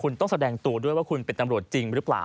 คุณต้องแสดงตัวด้วยว่าคุณเป็นตำรวจจริงหรือเปล่า